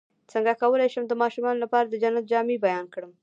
څنګه کولی شم د ماشومانو لپاره د جنت جامې بیان کړم